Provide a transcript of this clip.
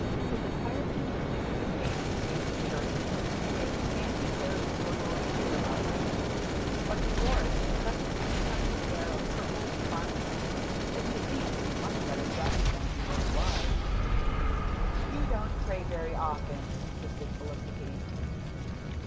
His attire consisted of a faded, gingham shirt and a scanty pair of corduroy knickerbockers; but he wore it with such an unconscious air of purple and fine linen that he seemed to be much better dressed than he really was. "You don't pray very often," insisted Felicity.